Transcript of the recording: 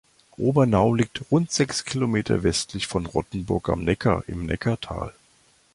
Obernau liegt rund sechs Kilometer westlich von Rottenburg am Neckar im Neckartal.